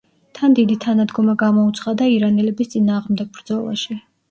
თან დიდი თანადგომა გამოუცხადა ირანელების წინააღმდეგ ბრძოლაში.